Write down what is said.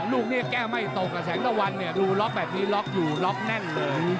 ลูกนี้แก้ไม่ตกแสงตะวันเนี่ยดูล็อกแบบนี้ล็อกอยู่ล็อกแน่นเลย